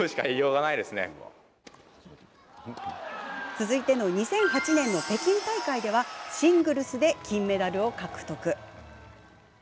続いての２００８年の北京大会でシングルスで金メダルを獲得。